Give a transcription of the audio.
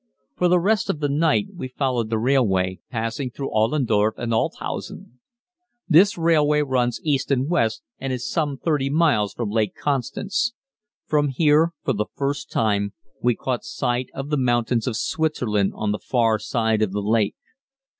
For the rest of the night we followed the railway, passing through Aulendorf and Althausen. This railway runs east and west and is some 30 miles from Lake Constance. From here, for the first time, we caught sight of the mountains of Switzerland on the far side of the lake.